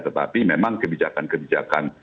tetapi memang kebijakan kebijakan